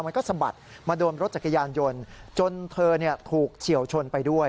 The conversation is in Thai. มันก็สะบัดมาโดนรถจักรยานยนต์จนเธอถูกเฉียวชนไปด้วย